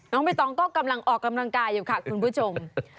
ไม่ต้องก็กำลังออกกำลังกายอยู่ค่ะคุณผู้ชม